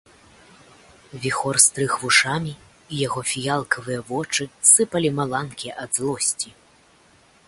Віхор стрыг вушамі, і яго фіялкавыя вочы сыпалі маланкі ад злосці.